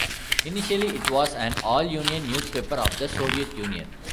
Initially it was an all-Union newspaper of the Soviet Union.